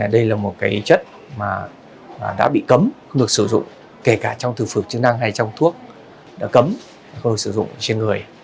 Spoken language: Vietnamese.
đây là một cái chất mà đã bị cấm không được sử dụng kể cả trong thực phẩm chức năng hay trong thuốc đã cấm không sử dụng trên người